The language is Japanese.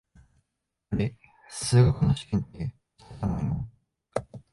あれ、数学の試験って明日じゃないの？